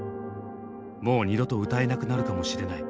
もう二度と歌えなくなるかもしれない。